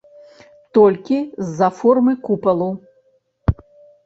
Толькі з-за формы купалу.